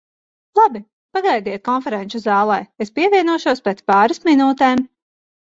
Labi, pagaidiet konferenču zālē, es pievienošos pēc pāris minūtēm.